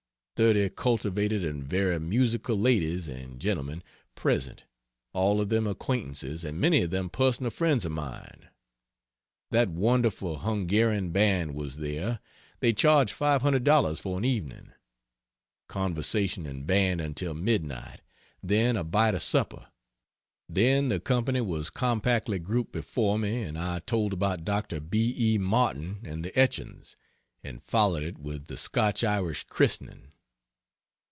Thirty cultivated and very musical ladies and gentlemen present all of them acquaintances and many of them personal friends of mine. That wonderful Hungarian Band was there (they charge $500 for an evening.) Conversation and Band until midnight; then a bite of supper; then the company was compactly grouped before me and I told about Dr. B. E. Martin and the etchings, and followed it with the Scotch Irish Christening.